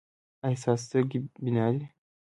ایا ستاسو سترګې بینا دي؟